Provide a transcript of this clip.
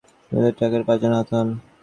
এতে উভয় ট্রাকের পাঁচজন আহত হন।